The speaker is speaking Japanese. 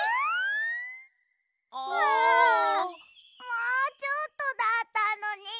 もうちょっとだったのに！